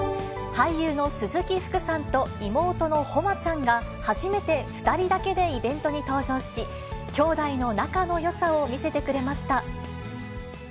俳優の鈴木福さんと妹の誉ちゃんが、初めて２人だけでイベントに登場し、きょうだいの仲のよさを見せてくれました。